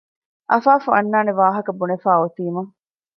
އަފާފު އަންނާނެ ވާހަކަ ބުނެފައި އޮތީމަ